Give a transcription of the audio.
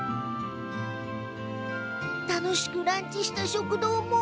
楽しくランチした食堂も。